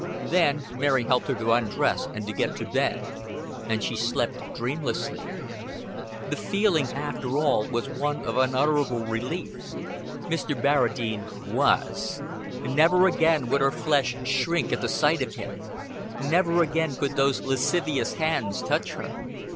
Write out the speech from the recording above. Then Mary helped her to undress and to get to bed; and she slept dreamlessly. The feeling after all was one of unutterable relief. Mr. Barradine was! Never again would her flesh shrink at the sight of him; never again could those lascivious hands touch her.